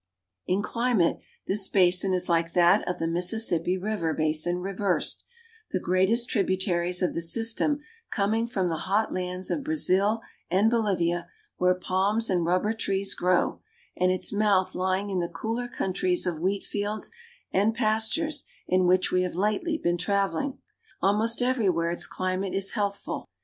In cHmate this basin is Hke that of the Mississippi river basin reversed, the greatest tributaries of the system com ing from the hot lands of Brazil and Bolivia, where palms and rubber trees grow, and its mouth lying in the cooler countries of wheatfields and pastures in which we have lately been traveling. Almost everywhere its climate is healthful.